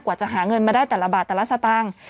จะหาเงินมาได้แต่ละบาทแต่ละสตางค์